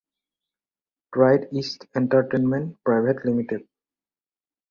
Pride east entertainment private limited.